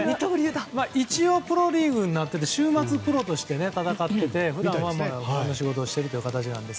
一応、プロリーグになって週末プロとして戦っていて、普段は他の仕事をしています。